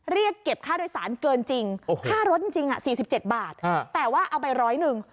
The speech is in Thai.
เรียกเก็บค่าโดยสารเกินจริงค่ารถจริง๔๗บาทแต่ว่าเอาไปร้อยหนึ่ง